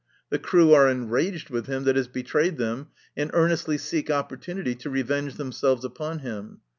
The crew are enraged with him that has betrayed them, and earnestly seek opportunity to revenge tnemselves upon him.